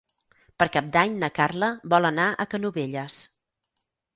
Per Cap d'Any na Carla vol anar a Canovelles.